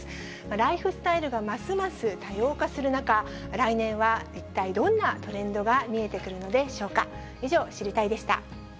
ライフスタイルがますます多様化する中、来年は一体どんなトレンドが見えてくるのでしょうか。